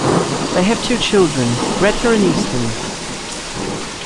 They have two children, Greta and Easton.